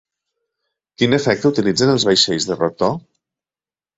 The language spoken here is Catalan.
Quin efecte utilitzen els vaixells de rotor?